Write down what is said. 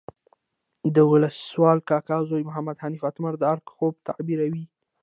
د ولسوال کاکا زوی محمد حنیف اتمر د ارګ خوب تعبیروي.